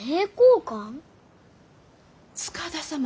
塚田様